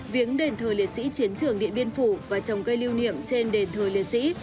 viếng đền thờ liệt sĩ chiến trường điện biên phủ và trồng cây lưu niệm trên đền thờ liệt sĩ